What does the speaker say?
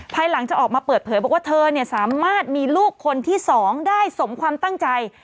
ภายหลังจะออกมาเปิดเผยบอกว่าเธอสามารถมีลูกคนที่๒ได้สมความตั้งใจ